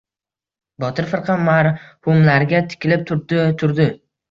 Botir firqa marhumlarga tikilib turdi-turdi...